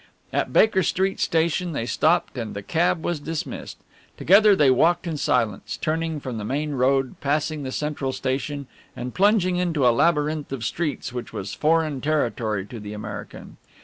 At Baker Street Station they stopped and the cab was dismissed. Together they walked in silence, turning from the main road, passing the Central Station and plunging into a labyrinth of streets which was foreign territory to the American.